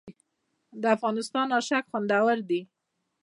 د افغانستان اشک خوندور دي